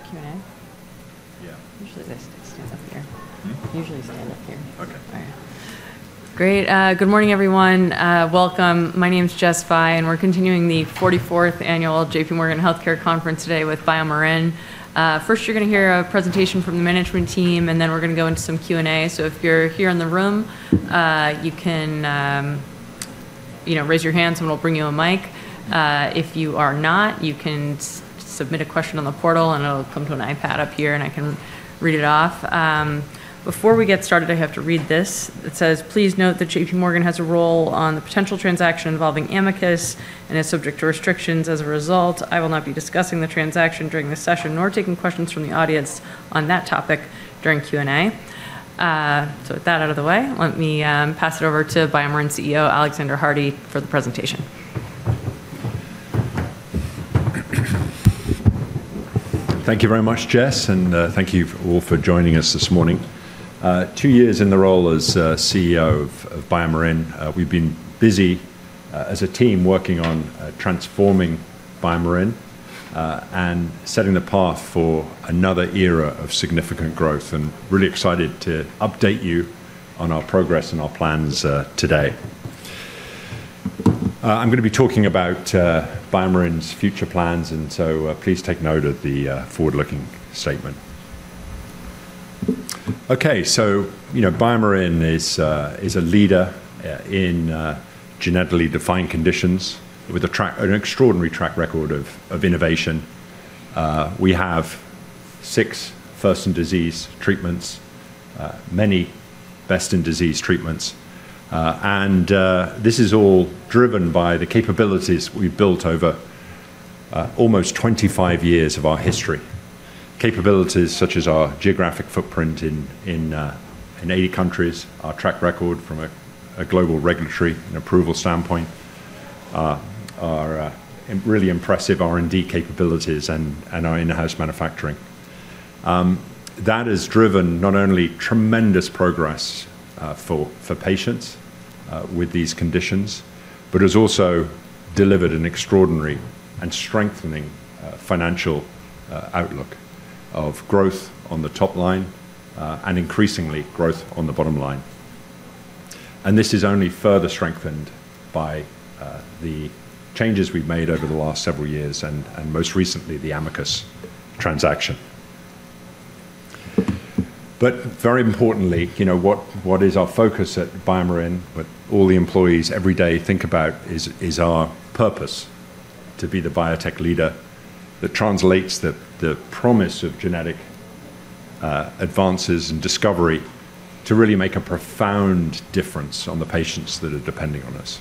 For Q&A? Yeah. Usually, they stand up here. Okay. All right. Great. Good morning, everyone. Welcome. My name's Jessica Fye, and we're continuing the 44th Annual J P Morgan Healthcare Conference today with BioMarin. First, you're going to hear a presentation from the management team, and then we're going to go into some Q&A, so if you're here in the room, you can raise your hand, someone will bring you a mic. If you are not, you can submit a question on the portal, and it'll come to an iPad up here, and I can read it off. Before we get started, I have to read this. It says, "Please note that J P Morgan has a role on the potential transaction involving Amicus and is subject to restrictions. As a result, I will not be discussing the transaction during this session nor taking questions from the audience on that topic during Q&A." So with that out of the way, let me pass it over to BioMarin CEO, Alexander Hardy, for the presentation. Thank you very much, Jess, and thank you all for joining us this morning. Two years in the role as CEO of BioMarin, we've been busy as a team working on transforming BioMarin and setting the path for another era of significant growth, and really excited to update you on our progress and our plans today. I'm going to be talking about BioMarin's future plans, and so please take note of the forward-looking statement. Okay, so BioMarin is a leader in genetically defined conditions with an extraordinary track record of innovation. We have six first-in-disease treatments, many best-in-disease treatments, and this is all driven by the capabilities we've built over almost 25 years of our history. Capabilities such as our geographic footprint in 80 countries, our track record from a global regulatory and approval standpoint, our really impressive R&D capabilities, and our in-house manufacturing. That has driven not only tremendous progress for patients with these conditions, but has also delivered an extraordinary and strengthening financial outlook of growth on the top line and increasingly growth on the bottom line. And this is only further strengthened by the changes we've made over the last several years and most recently the Amicus transaction. But very importantly, what is our focus at BioMarin? What all the employees every day think about is our purpose to be the biotech leader that translates the promise of genetic advances and discovery to really make a profound difference on the patients that are depending on us.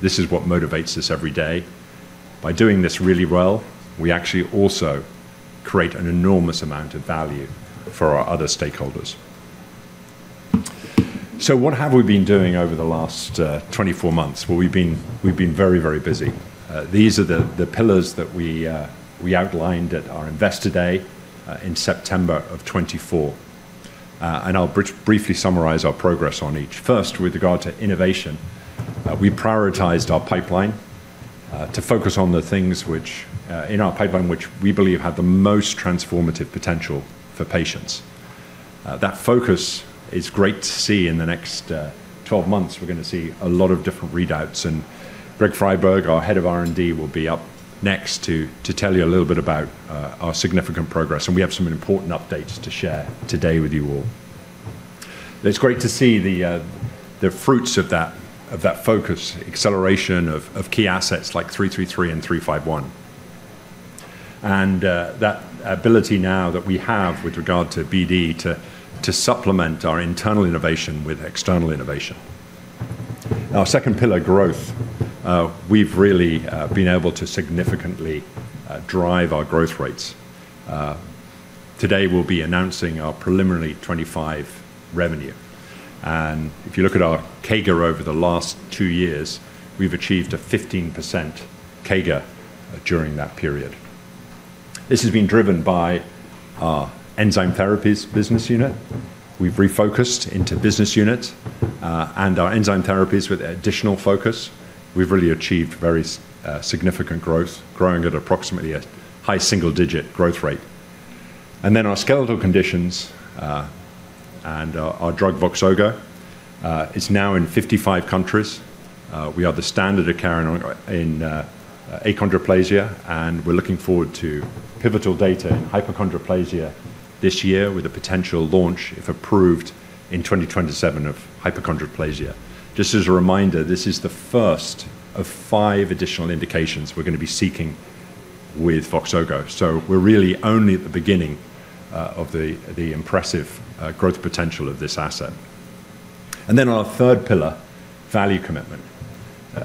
This is what motivates us every day. By doing this really well, we actually also create an enormous amount of value for our other stakeholders. So what have we been doing over the last 24 months? Well, we've been very, very busy. These are the pillars that we outlined at our Investor Day in September of 2024, and I'll briefly summarize our progress on each. First, with regard to innovation, we prioritized our pipeline to focus on the things in our pipeline which we believe have the most transformative potential for patients. That focus is great to see. In the next 12 months we're going to see a lot of different readouts, and Greg Friberg, our head of R&D, will be up next to tell you a little bit about our significant progress, and we have some important updates to share today with you all. It's great to see the fruits of that focus, acceleration of key assets like 333 and 351, and that ability now that we have with regard to BD to supplement our internal innovation with external innovation. Our second pillar, growth, we've really been able to significantly drive our growth rates. Today, we'll be announcing our preliminary 2025 revenue, and if you look at our CAGR over the last two years, we've achieved a 15% CAGR during that period. This has been driven by our enzyme therapies business unit. We've refocused into business unit and our enzyme therapies with additional focus. We've really achieved very significant growth, growing at approximately a high single-digit growth rate. And then our skeletal conditions and our drug Voxzogo is now in 55 countries. We are the standard in achondroplasia, and we're looking forward to pivotal data in hypochondroplasia this year with a potential launch, if approved, in 2027 of hypochondroplasia. Just as a reminder, this is the first of five additional indications we're going to be seeking with Voxzogo, so we're really only at the beginning of the impressive growth potential of this asset. And then our third pillar, value commitment.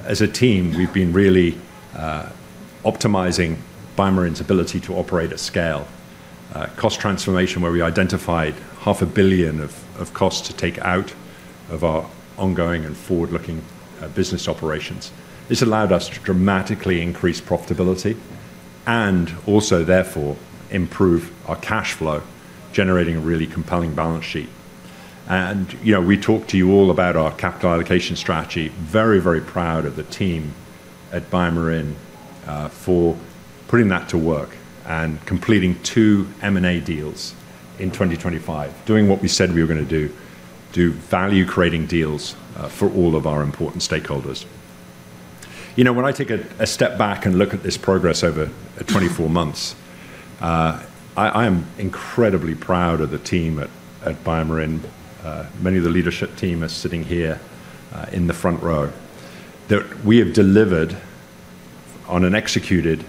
As a team, we've been really optimizing BioMarin's ability to operate at scale. Cost transformation, where we identified $500 million of costs to take out of our ongoing and forward-looking business operations, has allowed us to dramatically increase profitability and also, therefore, improve our cash flow, generating a really compelling balance sheet. And we talked to you all about our capital allocation strategy. Very, very proud of the team at BioMarin for putting that to work and completing two M&A deals in 2025, doing what we said we were going to do, do value-creating deals for all of our important stakeholders. When I take a step back and look at this progress over 24 months, I am incredibly proud of the team at BioMarin. Many of the leadership team are sitting here in the front row. We have delivered on and executed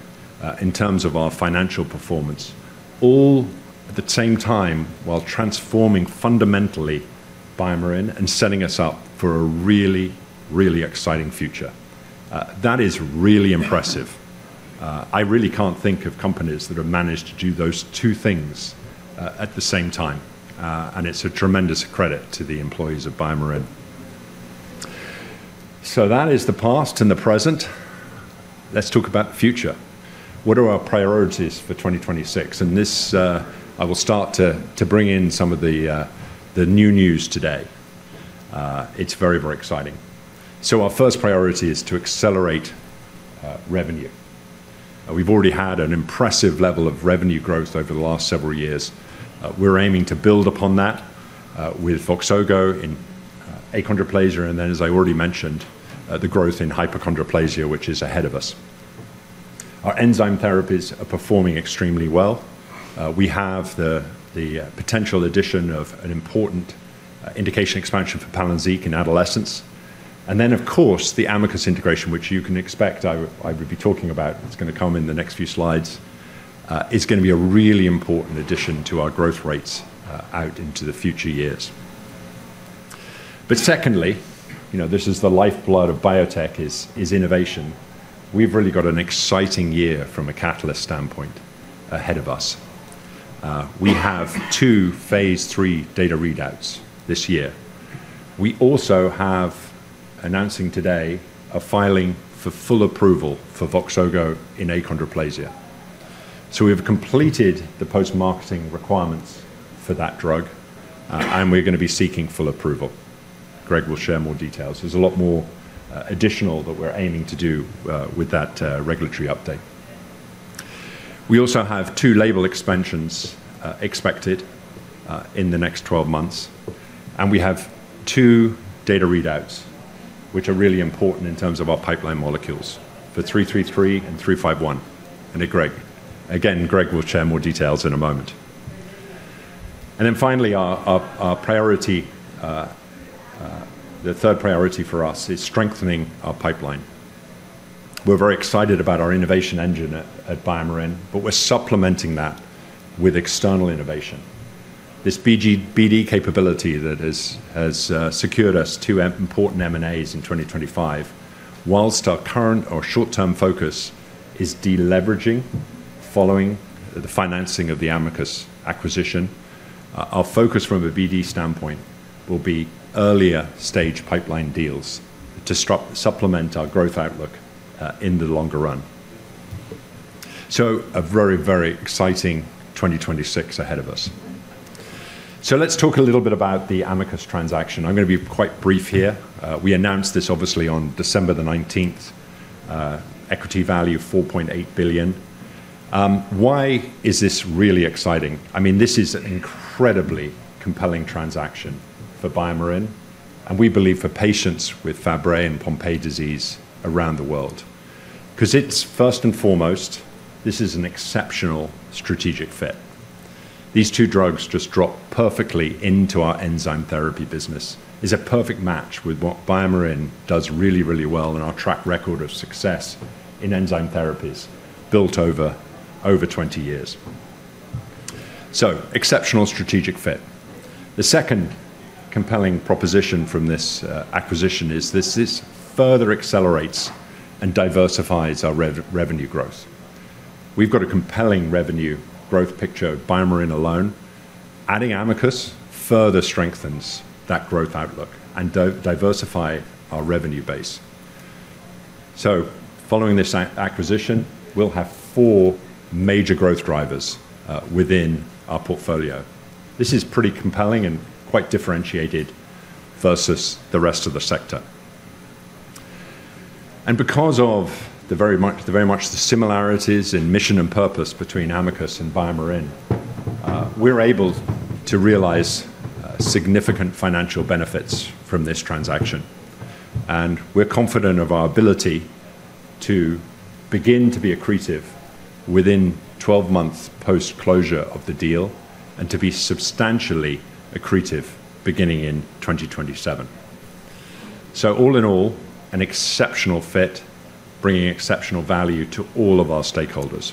in terms of our financial performance, all at the same time while transforming fundamentally BioMarin and setting us up for a really, really exciting future. That is really impressive. I really can't think of companies that have managed to do those two things at the same time, and it's a tremendous credit to the employees of BioMarin. So that is the past and the present. Let's talk about the future. What are our priorities for 2026? And I will start to bring in some of the new news today. It's very, very exciting. So our first priority is to accelerate revenue. We've already had an impressive level of revenue growth over the last several years. We're aiming to build upon that with Voxzogo in achondroplasia and then, as I already mentioned, the growth in hypochondroplasia, which is ahead of us. Our enzyme therapies are performing extremely well. We have the potential addition of an important indication expansion for Palynziq in adolescents. And then, of course, the Amicus integration, which you can expect I will be talking about, it's going to come in the next few slides, is going to be a really important addition to our growth rates out into the future years. But secondly, this is the lifeblood of biotech, is innovation. We've really got an exciting year from a catalyst standpoint ahead of us. We have two phase 3 data readouts this year. We also have, announcing today, a filing for full approval for Voxzogo in achondroplasia. We have completed the post-marketing requirements for that drug, and we're going to be seeking full approval. Greg will share more details. There's a lot more additional that we're aiming to do with that regulatory update. We also have two label expansions expected in the next 12 months, and we have two data readouts which are really important in terms of our pipeline molecules for 333 and 351 and Greg. Again, Greg will share more details in a moment. And then finally, our priority, the third priority for us, is strengthening our pipeline. We're very excited about our innovation engine at BioMarin, but we're supplementing that with external innovation. This BD capability that has secured us two important M&As in 2025, while our current or short-term focus is deleveraging following the financing of the Amicus acquisition, our focus from a BD standpoint will be earlier stage pipeline deals to supplement our growth outlook in the longer run. So a very, very exciting 2026 ahead of us. So let's talk a little bit about the Amicus transaction. I'm going to be quite brief here. We announced this, obviously, on December the 19th, equity value of $4.8 billion. Why is this really exciting? I mean, this is an incredibly compelling transaction for BioMarin, and we believe for patients with Fabry and Pompe disease around the world. Because it's, first and foremost, this is an exceptional strategic fit. These two drugs just drop perfectly into our enzyme therapy business. It's a perfect match with what BioMarin does really, really well in our track record of success in enzyme therapies built over 20 years, so exceptional strategic fit. The second compelling proposition from this acquisition is this further accelerates and diversifies our revenue growth. We've got a compelling revenue growth picture of BioMarin alone. Adding Amicus further strengthens that growth outlook and diversifies our revenue base, so following this acquisition, we'll have four major growth drivers within our portfolio. This is pretty compelling and quite differentiated versus the rest of the sector, and because of the very much the similarities in mission and purpose between Amicus and BioMarin, we're able to realize significant financial benefits from this transaction, and we're confident of our ability to begin to be accretive within 12 months post-closure of the deal and to be substantially accretive beginning in 2027. All in all, an exceptional fit, bringing exceptional value to all of our stakeholders.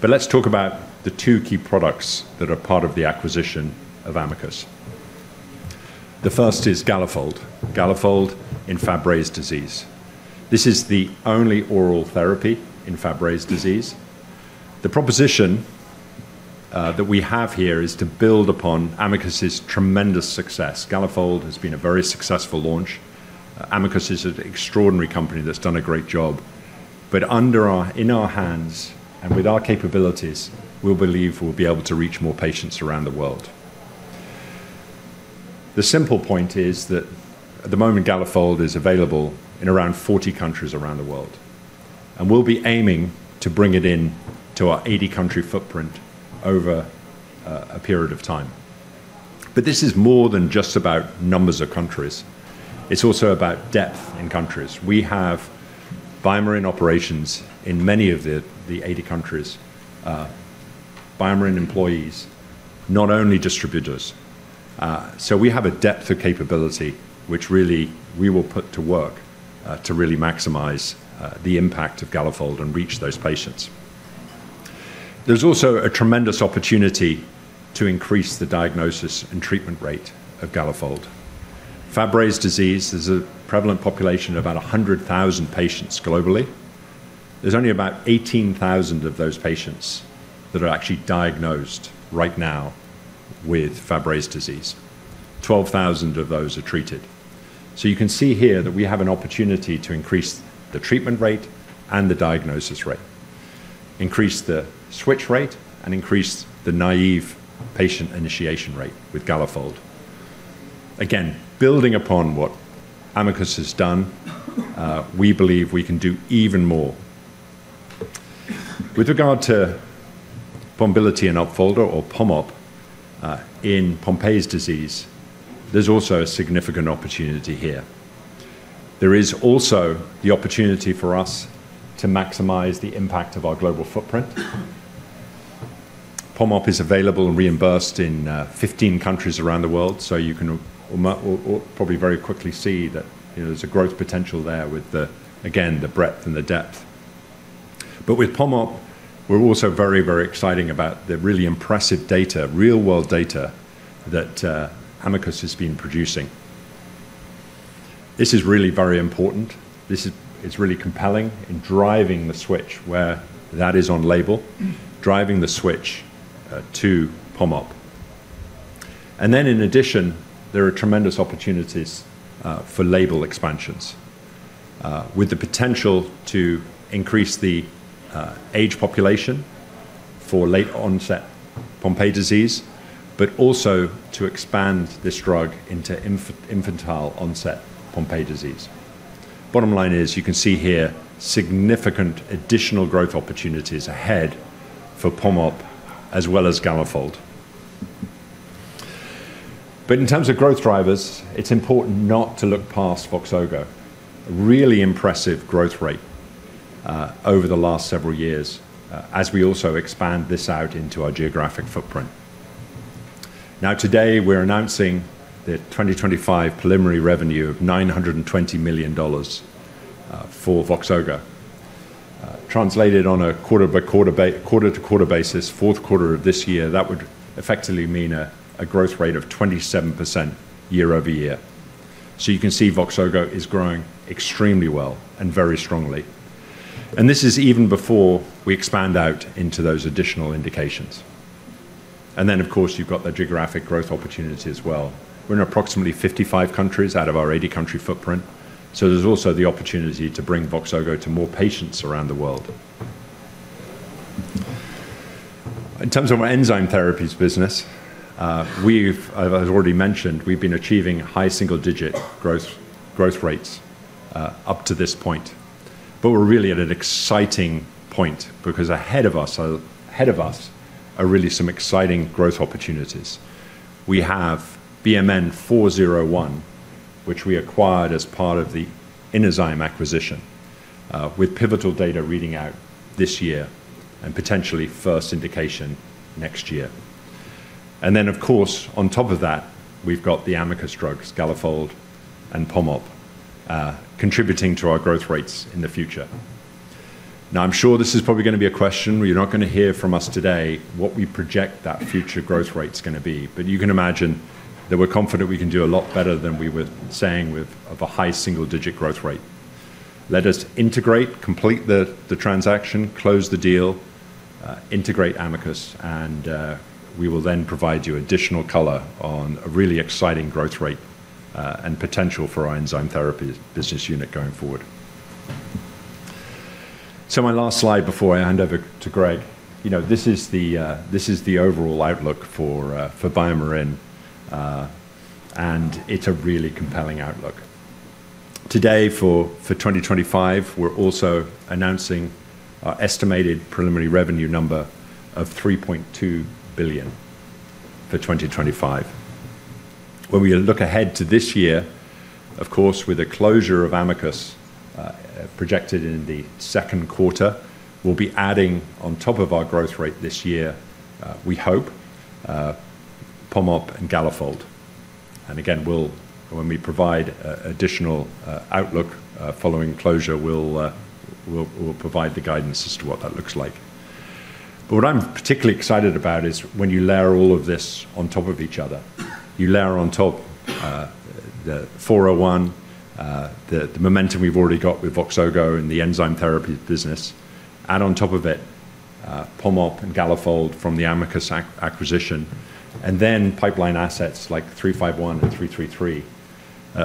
But let's talk about the two key products that are part of the acquisition of Amicus. The first is Galafold, Galafold in Fabry disease. This is the only oral therapy in Fabry disease. The proposition that we have here is to build upon Amicus's tremendous success. Galafold has been a very successful launch. Amicus is an extraordinary company that's done a great job, but in our hands and with our capabilities, we believe we'll be able to reach more patients around the world. The simple point is that at the moment, Galafold is available in around 40 countries around the world, and we'll be aiming to bring it into our 80-country footprint over a period of time. But this is more than just about numbers of countries. It's also about depth in countries. We have BioMarin operations in many of the 80 countries, BioMarin employees, not only distributors. So we have a depth of capability which really we will put to work to really maximize the impact of Galafold and reach those patients. There's also a tremendous opportunity to increase the diagnosis and treatment rate of Galafold. Fabry disease, there's a prevalent population of about 100,000 patients globally. There's only about 18,000 of those patients that are actually diagnosed right now with Fabry disease. 12,000 of those are treated. So you can see here that we have an opportunity to increase the treatment rate and the diagnosis rate, increase the switch rate, and increase the naive patient initiation rate with Galafold. Again, building upon what Amicus has done, we believe we can do even more. With regard to Pombiliti and Opfolda for Pompe disease, there's also a significant opportunity here. There is also the opportunity for us to maximize the impact of our global footprint. Pombiliti is available and reimbursed in 15 countries around the world, so you can probably very quickly see that there's a growth potential there with, again, the breadth and the depth. But with Pombiliti, we're also very, very excited about the really impressive data, real-world data that Amicus has been producing. This is really very important. This is really compelling in driving the switch where that is on label, driving the switch to Pombiliti. And then, in addition, there are tremendous opportunities for label expansions with the potential to increase the age population for late-onset Pompe disease, but also to expand this drug into infantile-onset Pompe disease. Bottom line is you can see here significant additional growth opportunities ahead for Pombiliti as well as Galafold. But in terms of growth drivers, it's important not to look past Voxzogo. Really impressive growth rate over the last several years as we also expand this out into our geographic footprint. Now, today, we're announcing the 2025 preliminary revenue of $920 million for Voxzogo. Translated on a quarter-by-quarter to quarter basis, fourth quarter of this year, that would effectively mean a growth rate of 27% year over year. So you can see Voxzogo is growing extremely well and very strongly. And this is even before we expand out into those additional indications. And then, of course, you've got the geographic growth opportunity as well. We're in approximately 55 countries out of our 80-country footprint, so there's also the opportunity to bring Voxzogo to more patients around the world. In terms of our enzyme therapies business, as I already mentioned, we've been achieving high single-digit growth rates up to this point, but we're really at an exciting point because ahead of us are really some exciting growth opportunities. We have BMN 401, which we acquired as part of the enzyme acquisition, with pivotal data reading out this year and potentially first indication next year, and then, of course, on top of that, we've got the Amicus drugs, Galafold and Pombiliti contributing to our growth rates in the future. Now, I'm sure this is probably going to be a question. You're not going to hear from us today what we project that future growth rate's going to be, but you can imagine that we're confident we can do a lot better than we were saying of a high single-digit growth rate. Let us integrate, complete the transaction, close the deal, integrate Amicus, and we will then provide you additional color on a really exciting growth rate and potential for our enzyme therapy business unit going forward, so my last slide before I hand over to Greg. This is the overall outlook for BioMarin, and it's a really compelling outlook. Today, for 2025, we're also announcing our estimated preliminary revenue number of $3.2 billion for 2025. When we look ahead to this year, of course, with the closure of Amicus projected in the second quarter, we'll be adding, on top of our growth rate this year, we hope, Pombiliti and Galafold, and again, when we provide additional outlook following closure, we'll provide the guidance as to what that looks like, but what I'm particularly excited about is when you layer all of this on top of each other. You layer on top the 401, the momentum we've already got with Voxzogo in the enzyme therapy business, add on top of it Pombiliti and Galafold from the Amicus acquisition, and then pipeline assets like 351 and 333.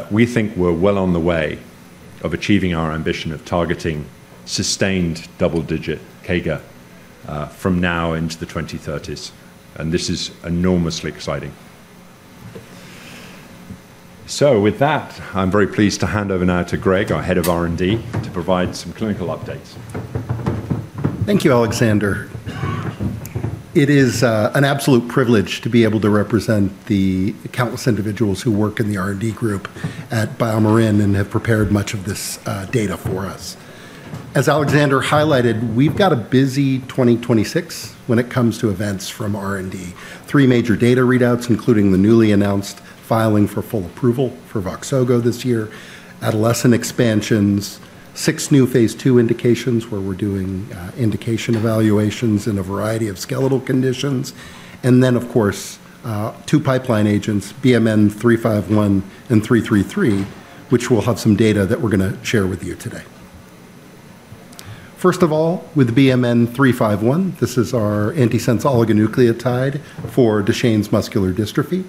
We think we're well on the way of achieving our ambition of targeting sustained double-digit CAGR from now into the 2030s, and this is enormously exciting. So with that, I'm very pleased to hand over now to Greg, our head of R&D, to provide some clinical updates. Thank you, Alexander. It is an absolute privilege to be able to represent the countless individuals who work in the R&D group at BioMarin and have prepared much of this data for us. As Alexander highlighted, we've got a busy 2026 when it comes to events from R&D. Three major data readouts, including the newly announced filing for full approval for Voxzogo this year, adolescent expansions, six new phase two indications where we're doing indication evaluations in a variety of skeletal conditions, and then, of course, two pipeline agents, BMN 351 and 333, which will have some data that we're going to share with you today. First of all, with BMN 351, this is our antisense oligonucleotide for Duchenne muscular dystrophy.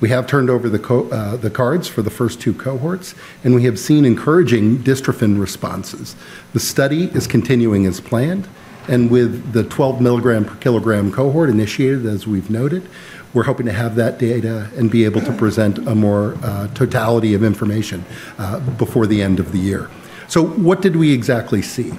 We have turned over the cards for the first two cohorts, and we have seen encouraging dystrophin responses. The study is continuing as planned, and with the 12 milligram per kilogram cohort initiated, as we've noted, we're hoping to have that data and be able to present a more totality of information before the end of the year. So what did we exactly see?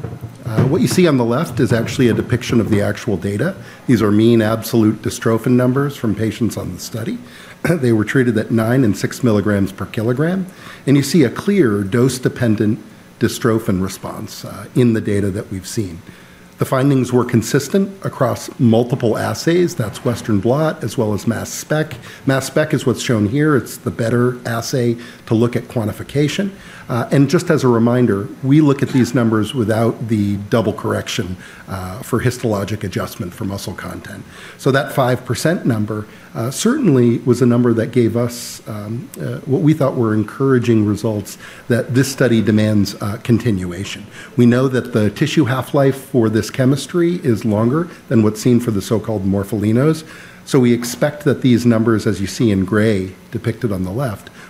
What you see on the left is actually a depiction of the actual data. These are mean absolute dystrophin numbers from patients on the study. They were treated at 9 and 6 milligrams per kilogram, and you see a clear dose-dependent dystrophin response in the data that we've seen. The findings were consistent across multiple assays. That's Western Blot as well as Mass Spec. MassSpec is what's shown here. It's the better assay to look at quantification. And just as a reminder, we look at these numbers without the double correction for histologic adjustment for muscle content. That 5% number certainly was a number that gave us what we thought were encouraging results that this study demands continuation. We know that the tissue half-life for this chemistry is longer than what's seen for the so-called morpholinos, so we expect that these numbers, as you see in gray depicted on the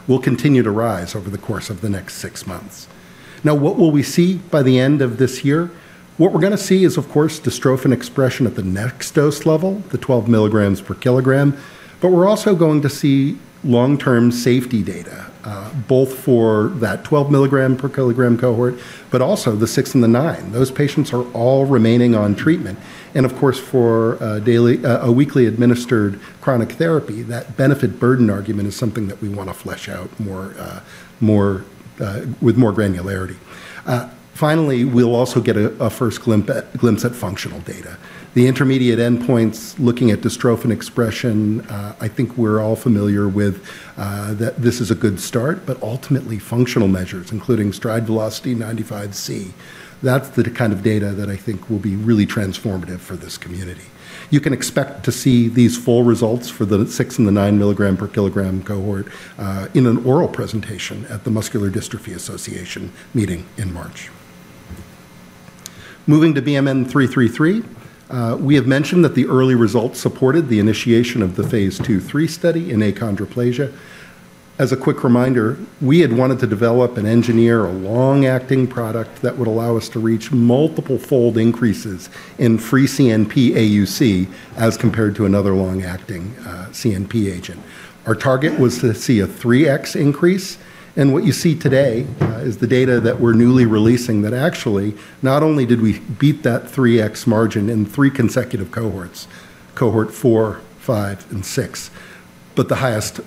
left, will continue to rise over the course of the next six months. Now, what will we see by the end of this year? What we're going to see is, of course, dystrophin expression at the next dose level, the 12 milligrams per kilogram, but we're also going to see long-term safety data both for that 12 milligram per kilogram cohort, but also the 6 and the 9. Those patients are all remaining on treatment. Of course, for a weekly administered chronic therapy, that benefit-burden argument is something that we want to flesh out with more granularity. Finally, we'll also get a first glimpse at functional data. The intermediate endpoints looking at dystrophin expression, I think we're all familiar with that this is a good start, but ultimately, functional measures, including stride velocity 95C, that's the kind of data that I think will be really transformative for this community. You can expect to see these full results for the six and the nine milligram per kilogram cohort in an oral presentation at the Muscular Dystrophy Association meeting in March. Moving to BMN 333, we have mentioned that the early results supported the initiation of the phase two-three study in achondroplasia. As a quick reminder, we had wanted to develop and engineer a long-acting product that would allow us to reach multiple-fold increases in free CNP AUC as compared to another long-acting CNP agent. Our target was to see a 3x increase, and what you see today is the data that we're newly releasing that actually not only did we beat that 3x margin in three consecutive cohorts, cohort four, five, and six, but the highest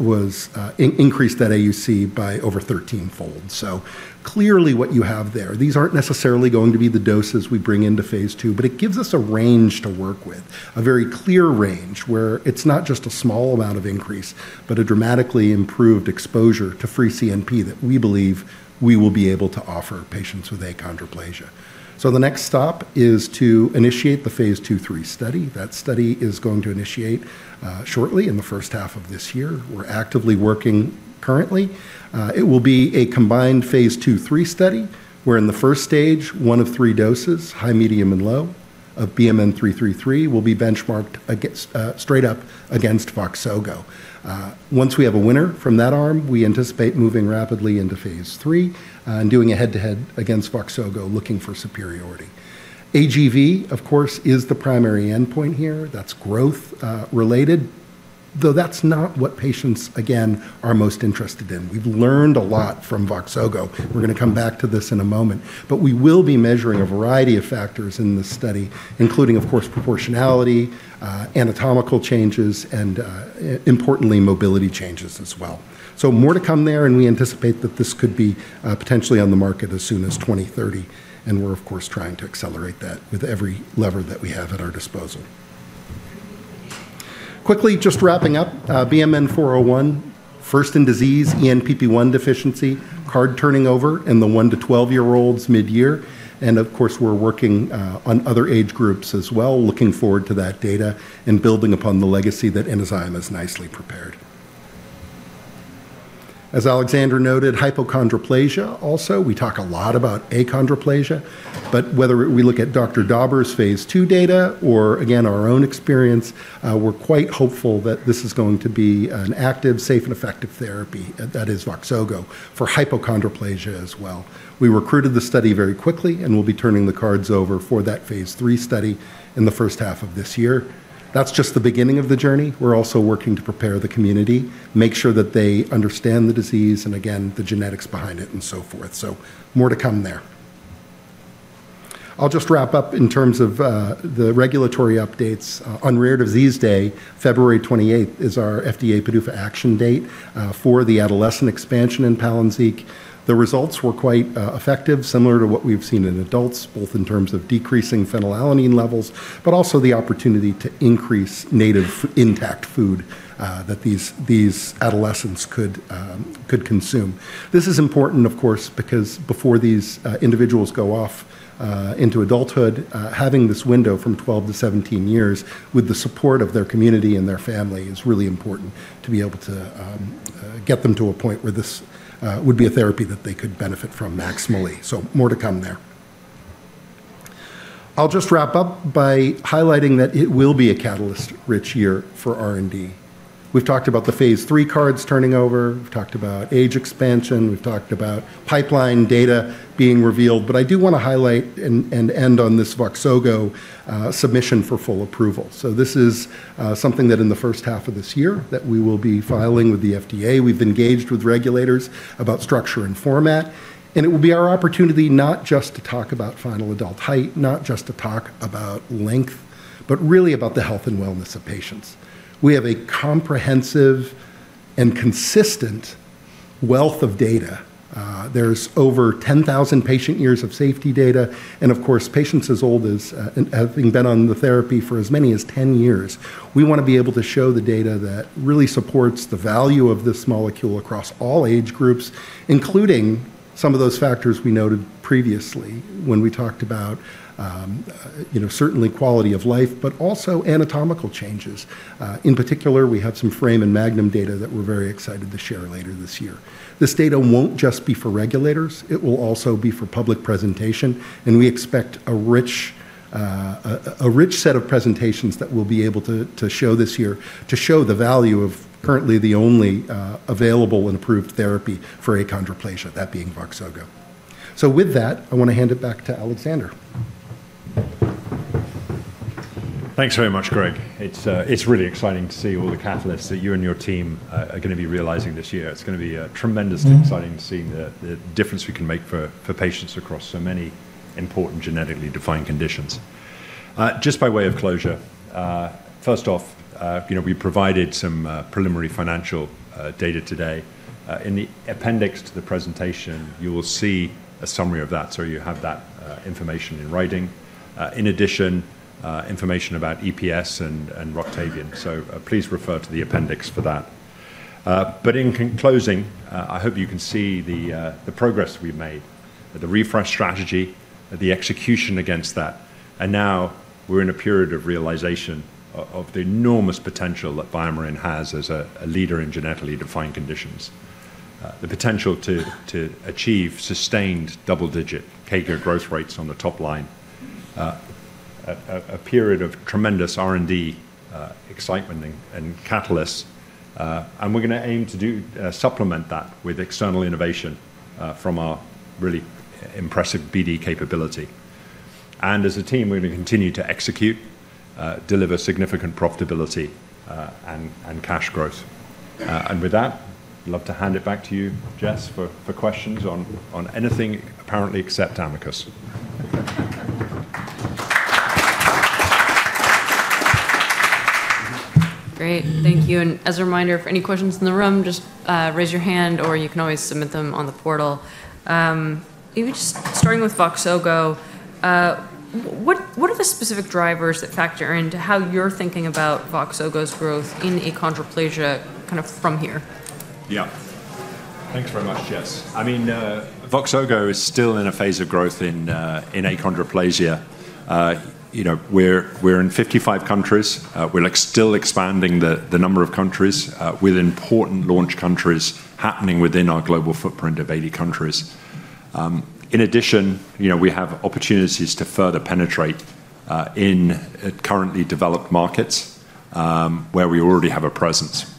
increase that AUC by over 13-fold. So clearly, what you have there, these aren't necessarily going to be the doses we bring into phase two, but it gives us a range to work with, a very clear range where it's not just a small amount of increase, but a dramatically improved exposure to free CNP that we believe we will be able to offer patients with achondroplasia. So the next stop is to initiate the phase two-three study. That study is going to initiate shortly in the first half of this year. We're actively working currently. It will be a combined phase two-three study where in the first stage, one of three doses, high, medium, and low of BMN 333 will be benchmarked straight up against Voxzogo. Once we have a winner from that arm, we anticipate moving rapidly into phase three and doing a head-to-head against Voxzogo looking for superiority. AGV, of course, is the primary endpoint here. That's growth-related, though that's not what patients, again, are most interested in. We've learned a lot from Voxzogo. We're going to come back to this in a moment, but we will be measuring a variety of factors in this study, including, of course, proportionality, anatomical changes, and importantly, mobility changes as well. So more to come there, and we anticipate that this could be potentially on the market as soon as 2030, and we're, of course, trying to accelerate that with every lever that we have at our disposal. Quickly, just wrapping up, BMN 401, first in disease, ENPP1 deficiency, cohort turning over in the 1 to 12-year-olds mid-year, and, of course, we're working on other age groups as well, looking forward to that data and building upon the legacy that Enzyme has nicely prepared. As Alexander noted, hypochondroplasia also. We talk a lot about achondroplasia, but whether we look at Dr. Dauber's phase two data or, again, our own experience, we're quite hopeful that this is going to be an active, safe, and effective therapy that is Voxzogo for hypochondroplasia as well. We recruited the study very quickly, and we'll be turning the cards over for that phase three study in the first half of this year. That's just the beginning of the journey. We're also working to prepare the community, make sure that they understand the disease and, again, the genetics behind it and so forth. So more to come there. I'll just wrap up in terms of the regulatory updates. On Rare Disease Day, February 28th is our FDA PDUFA action date for the adolescent expansion in Palynziq. The results were quite effective, similar to what we've seen in adults, both in terms of decreasing phenylalanine levels, but also the opportunity to increase native intact food that these adolescents could consume. This is important, of course, because before these individuals go off into adulthood, having this window from 12 to 17 years with the support of their community and their family is really important to be able to get them to a point where this would be a therapy that they could benefit from maximally. So more to come there. I'll just wrap up by highlighting that it will be a catalyst-rich year for R&D. We've talked about the phase 3 cards turning over. We've talked about age expansion. We've talked about pipeline data being revealed, but I do want to highlight and end on this Voxzogo submission for full approval. So this is something that in the first half of this year that we will be filing with the FDA. We've engaged with regulators about structure and format, and it will be our opportunity not just to talk about final adult height, not just to talk about length, but really about the health and wellness of patients. We have a comprehensive and consistent wealth of data. There's over 10,000 patient years of safety data, and, of course, patients as old as having been on the therapy for as many as 10 years. We want to be able to show the data that really supports the value of this molecule across all age groups, including some of those factors we noted previously when we talked about certainly quality of life, but also anatomical changes. In particular, we have some foramen magnum data that we're very excited to share later this year. This data won't just be for regulators. It will also be for public presentation, and we expect a rich set of presentations that we'll be able to show this year to show the value of currently the only available and approved therapy for achondroplasia, that being Voxzogo, so with that, I want to hand it back to Alexander. Thanks very much, Greg. It's really exciting to see all the catalysts that you and your team are going to be realizing this year. It's going to be tremendously exciting to see the difference we can make for patients across so many important genetically defined conditions. Just by way of closure, first off, we provided some preliminary financial data today. In the appendix to the presentation, you will see a summary of that, so you have that information in writing. In addition, information about EPS and Roctavian. So please refer to the appendix for that. But in closing, I hope you can see the progress we've made, the refresh strategy, the execution against that, and now we're in a period of realization of the enormous potential that BioMarin has as a leader in genetically defined conditions, the potential to achieve sustained double-digit CAGR growth rates on the top line, a period of tremendous R&D excitement and catalysts, and we're going to aim to supplement that with external innovation from our really impressive BD capability. And as a team, we're going to continue to execute, deliver significant profitability, and cash growth. And with that, I'd love to hand it back to you, Jess, for questions on anything apparently except Amicus. Great. Thank you. And as a reminder, if any questions in the room, just raise your hand, or you can always submit them on the portal. Maybe just starting with Voxzogo, what are the specific drivers that factor into how you're thinking about Voxzogo's growth in achondroplasia kind of from here? Yeah. Thanks very much, Jess. I mean, Voxzogo is still in a phase of growth in achondroplasia. We're in 55 countries. We're still expanding the number of countries. We have important launch countries happening within our global footprint of 80 countries. In addition, we have opportunities to further penetrate in currently developed markets where we already have a presence.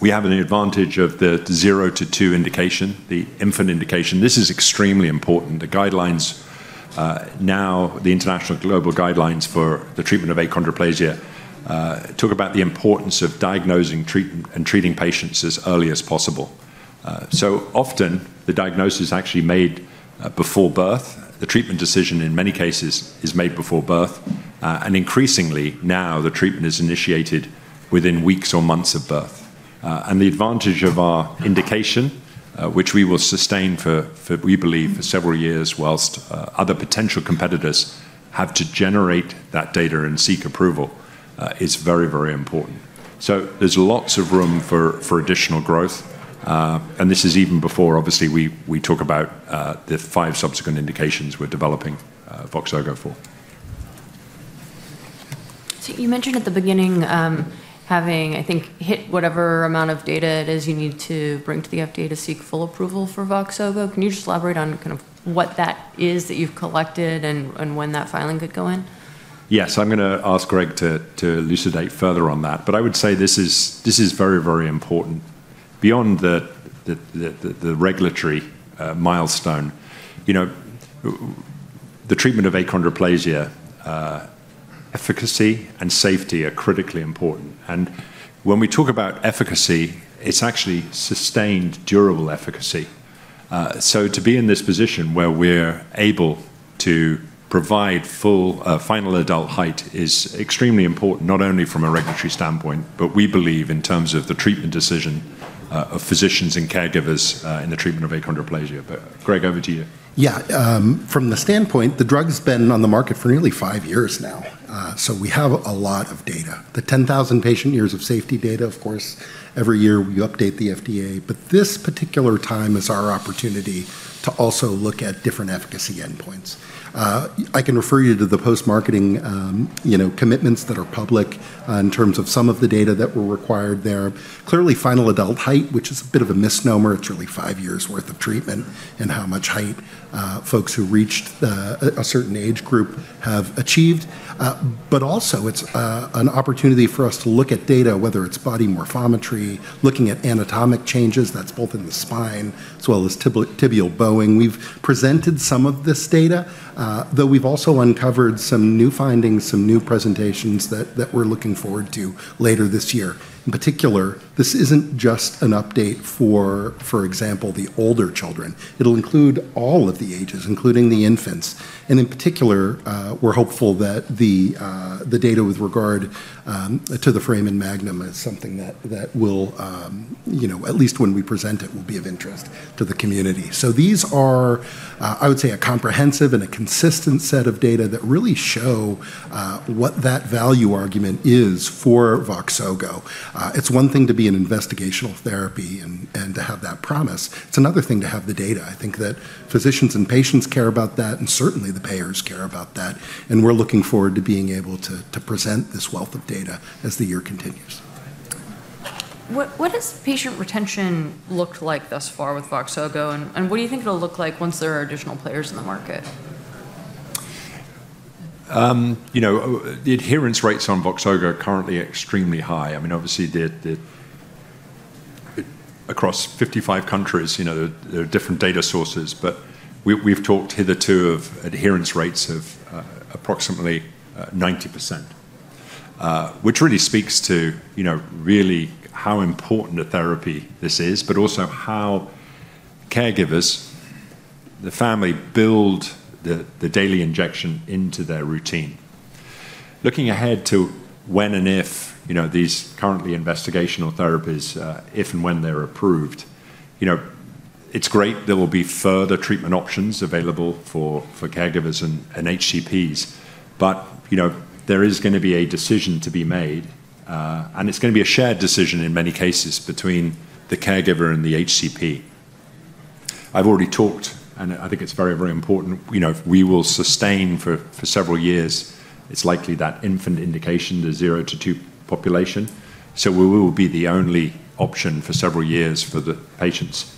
We have the advantage of the zero to two indication, the infant indication. This is extremely important. The guidelines now, the international global guidelines for the treatment of achondroplasia, talk about the importance of diagnosing and treating patients as early as possible. So often, the diagnosis is actually made before birth. The treatment decision in many cases is made before birth, and increasingly now, the treatment is initiated within weeks or months of birth. And the advantage of our indication, which we will sustain for, we believe, several years while other potential competitors have to generate that data and seek approval, is very, very important. So there's lots of room for additional growth, and this is even before, obviously, we talk about the five subsequent indications we're developing Voxzogo for. So you mentioned at the beginning having, I think, hit whatever amount of data it is you need to bring to the FDA to seek full approval for Voxzogo. Can you just elaborate on kind of what that is that you've collected and when that filing could go in? Yes. I'm going to ask Greg to elucidate further on that, but I would say this is very, very important. Beyond the regulatory milestone, the treatment of achondroplasia efficacy and safety are critically important. And when we talk about efficacy, it's actually sustained durable efficacy. So to be in this position where we're able to provide full final adult height is extremely important, not only from a regulatory standpoint, but we believe in terms of the treatment decision of physicians and caregivers in the treatment of achondroplasia. But Greg, over to you. Yeah. From the standpoint, the drug's been on the market for nearly five years now, so we have a lot of data. The 10,000 patient years of safety data, of course, every year we update the FDA, but this particular time is our opportunity to also look at different efficacy endpoints. I can refer you to the post-marketing commitments that are public in terms of some of the data that were required there. Clearly, final adult height, which is a bit of a misnomer, it's really five years' worth of treatment and how much height folks who reached a certain age group have achieved. But also, it's an opportunity for us to look at data, whether it's body morphometry, looking at anatomic changes, that's both in the spine as well as tibial bowing. We've presented some of this data, though we've also uncovered some new findings, some new presentations that we're looking forward to later this year. In particular, this isn't just an update for, for example, the older children. It'll include all of the ages, including the infants, and in particular, we're hopeful that the data with regard to the foramen magnum is something that will, at least when we present it, will be of interest to the community, so these are, I would say, a comprehensive and a consistent set of data that really show what that value argument is for Voxzogo. It's one thing to be an investigational therapy and to have that promise. It's another thing to have the data. I think that physicians and patients care about that, and certainly the payers care about that, and we're looking forward to being able to present this wealth of data as the year continues. What has patient retention looked like thus far with Voxzogo, and what do you think it'll look like once there are additional players in the market? The adherence rates on Voxzogo are currently extremely high. I mean, obviously, across 55 countries, there are different data sources, but we've talked hitherto of adherence rates of approximately 90%, which really speaks to really how important a therapy this is, but also how caregivers, the family, build the daily injection into their routine. Looking ahead to when and if these currently investigational therapies, if and when they're approved, it's great there will be further treatment options available for caregivers and HCPs, but there is going to be a decision to be made, and it's going to be a shared decision in many cases between the caregiver and the HCP. I've already talked, and I think it's very, very important. We will sustain for several years. It's likely that infant indication to zero to two population, so we will be the only option for several years for the patients.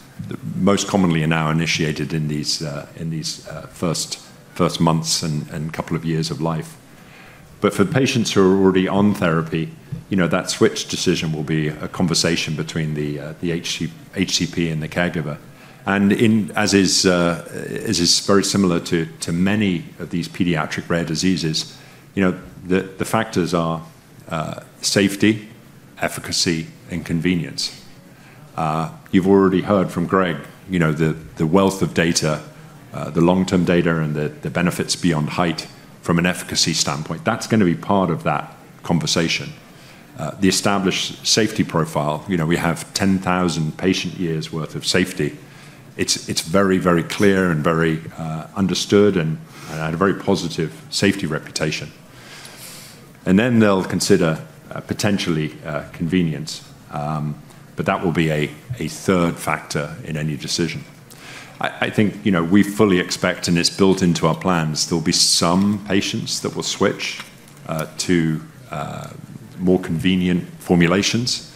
Most commonly now initiated in these first months and couple of years of life. But for patients who are already on therapy, that switch decision will be a conversation between the HCP and the caregiver. And as is very similar to many of these pediatric rare diseases, the factors are safety, efficacy, and convenience. You've already heard from Greg the wealth of data, the long-term data, and the benefits beyond height from an efficacy standpoint. That's going to be part of that conversation. The established safety profile, we have 10,000 patient years' worth of safety. It's very, very clear and very understood and a very positive safety reputation. And then they'll consider potentially convenience, but that will be a third factor in any decision. I think we fully expect, and it's built into our plans, there'll be some patients that will switch to more convenient formulations,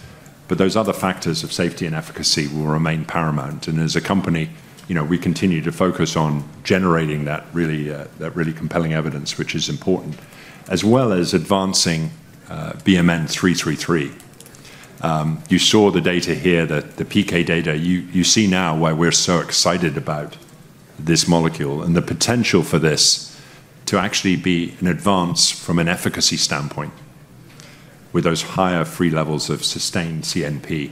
but those other factors of safety and efficacy will remain paramount, and as a company, we continue to focus on generating that really compelling evidence, which is important, as well as advancing BMN 333. You saw the data here, the PK data. You see now why we're so excited about this molecule and the potential for this to actually be an advance from an efficacy standpoint with those higher free levels of sustained CNP,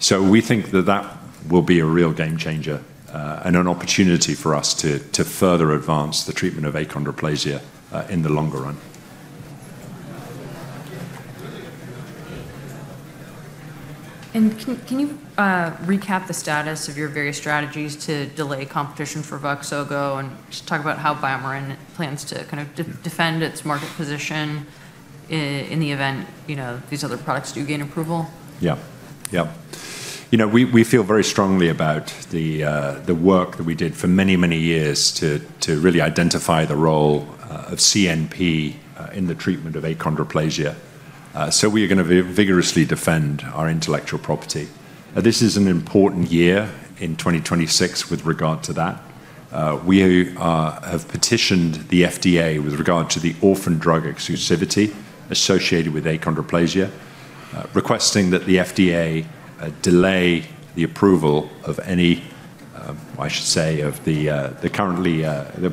so we think that that will be a real game changer and an opportunity for us to further advance the treatment of achondroplasia in the longer run. Can you recap the status of your various strategies to delay competition for Voxzogo and just talk about how BioMarin plans to kind of defend its market position in the event these other products do gain approval? Yeah. Yeah. We feel very strongly about the work that we did for many, many years to really identify the role of CNP in the treatment of achondroplasia. So we are going to vigorously defend our intellectual property. This is an important year in 2026 with regard to that. We have petitioned the FDA with regard to the orphan drug exclusivity associated with achondroplasia, requesting that the FDA delay the approval of any, I should say, of the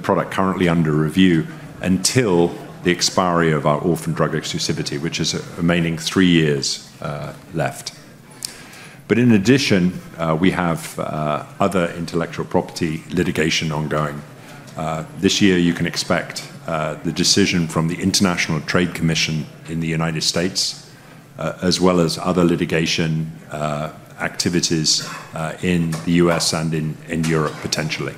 product currently under review until the expiry of our orphan drug exclusivity, which is remaining three years left. But in addition, we have other intellectual property litigation ongoing. This year, you can expect the decision from the U.S. International Trade Commission in the United States, as well as other litigation activities in the U.S. and in Europe potentially.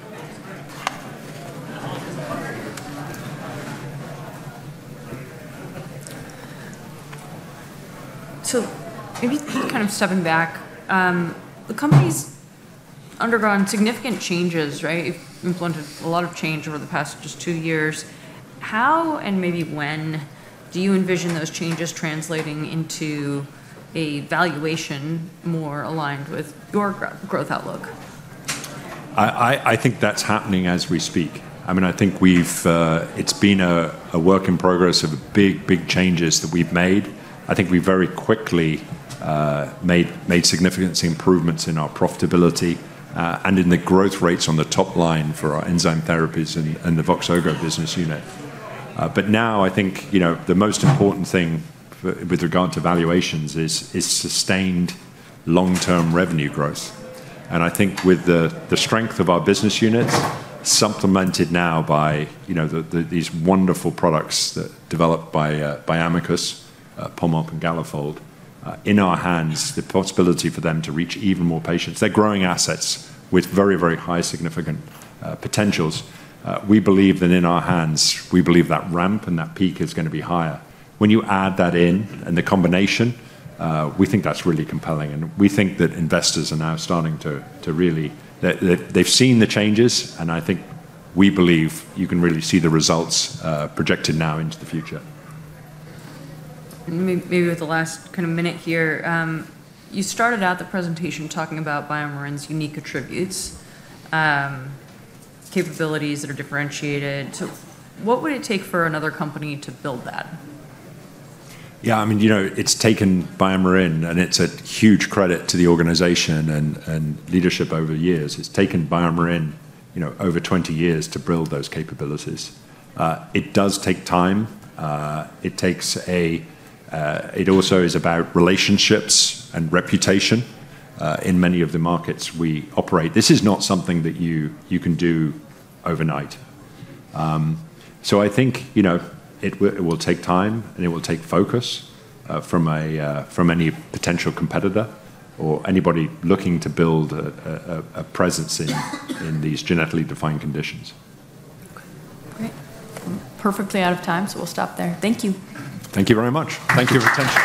So maybe kind of stepping back, the company's undergone significant changes, right? You've implemented a lot of change over the past just two years. How and maybe when do you envision those changes translating into a valuation more aligned with your growth outlook? I think that's happening as we speak. I mean, I think it's been a work in progress of big, big changes that we've made. I think we very quickly made significant improvements in our profitability and in the growth rates on the top line for our enzyme therapies and the Voxzogo business unit, but now I think the most important thing with regard to valuations is sustained long-term revenue growth, and I think with the strength of our business units, supplemented now by these wonderful products developed by Amicus, Pombiliti, and Galafold, in our hands, the possibility for them to reach even more patients. They're growing assets with very, very high significant potentials. We believe that in our hands, we believe that ramp and that peak is going to be higher. When you add that in and the combination, we think that's really compelling. We think that investors are now starting to really, they've seen the changes, and I think we believe you can really see the results projected now into the future. Maybe with the last kind of minute here, you started out the presentation talking about BioMarin's unique attributes, capabilities that are differentiated. So what would it take for another company to build that? Yeah. I mean, it's taken BioMarin, and it's a huge credit to the organization and leadership over the years. It's taken BioMarin over 20 years to build those capabilities. It does take time. It also is about relationships and reputation in many of the markets we operate. This is not something that you can do overnight. So I think it will take time, and it will take focus from any potential competitor or anybody looking to build a presence in these genetically defined conditions. Great. Perfectly out of time, so we'll stop there. Thank you. Thank you very much. Thank you for attention.